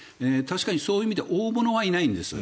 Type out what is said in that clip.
そういう意味で確かに大物はいないんです。